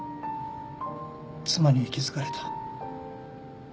妻に気付かれた